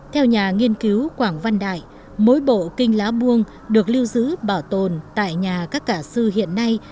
theo nhà nghiên cứu quảng văn đại mỗi bộ kinh lá buông được lưu giữ bảo tồn tại nhà các cả sư hiện nay